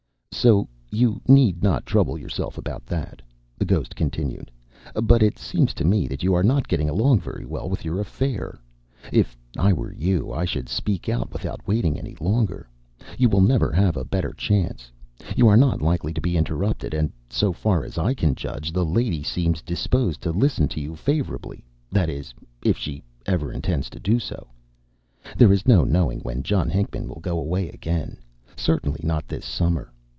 "So you need not trouble yourself about that," the ghost continued; "but it seems to me that you are not getting along very well with your affair. If I were you, I should speak out without waiting any longer. You will never have a better chance. You are not likely to be interrupted; and, so far as I can judge, the lady seems disposed to listen to you favorably; that is, if she ever intends to do so. There is no knowing when John Hinckman will go away again; certainly not this summer.